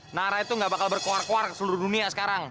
nara itu gak bakal berkuar kuar ke seluruh dunia sekarang